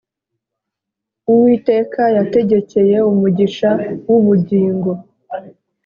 Uwiteka yategekeye umugisha wu bugingo.